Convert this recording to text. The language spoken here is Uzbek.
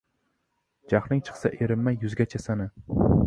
• Jahling chiqsa, erinmay yuzgacha sana.